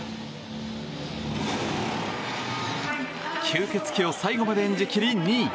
吸血鬼を最後まで演じ切り２位。